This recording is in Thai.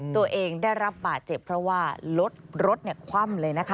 ตัวเองได้รับบาดเจ็บเพราะว่ารถคว่ำเลยนะคะ